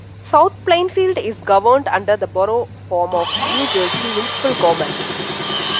South Plainfield is governed under the Borough form of New Jersey municipal government.